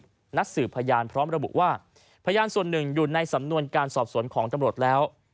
และนัดสืบพยานพร้อมระบุว่าพยานส่วนหนึ่งอยู่ในสำนวนการสอบสวนของตำรวจแล้ว